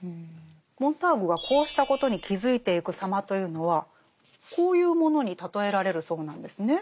モンターグがこうしたことに気付いていく様というのはこういうものに例えられるそうなんですね。